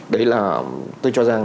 đấy là tôi cho rằng